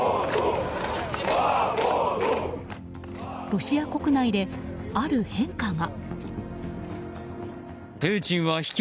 ロシア国内で、ある変化が。